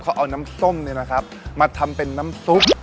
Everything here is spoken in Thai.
เขาเอาน้ำส้มเนี่ยนะครับมาทำเป็นน้ำซุป